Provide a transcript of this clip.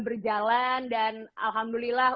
berjalan dan alhamdulillah